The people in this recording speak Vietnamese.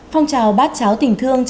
phong trào bát cháo tỉnh thương